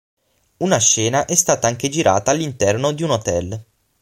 Una scena è stata anche girata all'interno di un hotel.